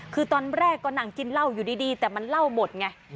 คือตอนแรกก็นั่งกินเหล้าอยู่ดีแต่มันเล่าหมดไง